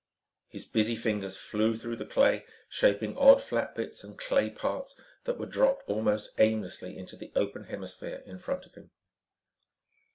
His busy fingers flew through the clay, shaping odd, flat bits and clay parts that were dropped almost aimlessly into the open hemisphere in front of him.